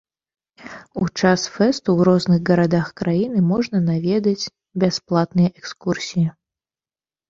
У час фэсту ў розных гарадах краіны можна наведаць бясплатныя экскурсіі.